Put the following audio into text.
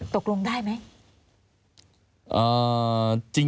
ตกลงได้ไหมเหรอะ